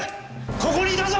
ここにいたぞ！